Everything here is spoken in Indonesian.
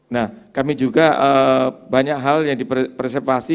nah kami juga banyak hal yang di persepasi